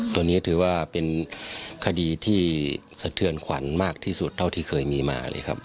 ตัวนี้ถือว่าเป็นคดีที่สะเทือนขวัญมากที่สุดเท่าที่เคยมีมาเลยครับ